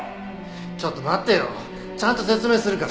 ちょっと待ってよちゃんと説明するから。